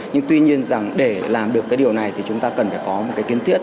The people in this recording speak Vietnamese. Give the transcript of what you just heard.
nhưng tuy nhiên rằng để làm được cái điều này thì chúng ta cần phải có một cái kiến thiết